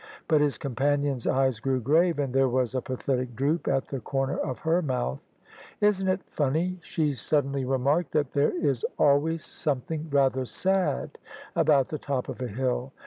But his companion's eyes grew grave, and there was a pathetic droop at the comer of her mouth. " Isn't it funny," she suddenly remarked, " that there is always something rather sad about the top of a hill?